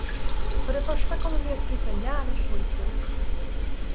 För det första kommer vi att frysa ihjäl ute på isen.